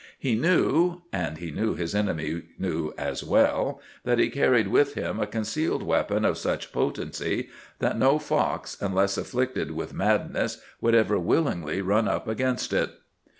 He knew—and he knew his enemy knew as well—that he carried with him a concealed weapon of such potency that no fox, unless afflicted with madness, would ever willingly run up against it.